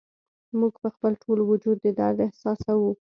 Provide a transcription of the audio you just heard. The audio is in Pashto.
موږ په خپل ټول وجود درد احساسوو